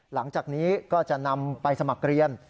หลังจากนี้ก็จะนำไปสมัครเรียน